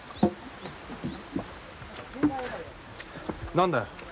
何だよ。